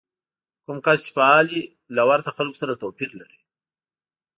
کوم کس چې فعال وي له ورته خلکو سره توپير لري.